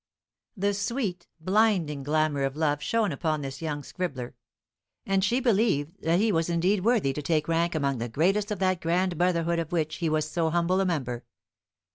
The sweet, blinding glamour of love shone upon this young scribbler, and she believed that he was indeed worthy to take rank among the greatest of that grand brotherhood of which he was so humble a member.